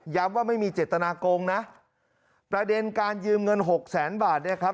ว่าไม่มีเจตนาโกงนะประเด็นการยืมเงินหกแสนบาทเนี่ยครับ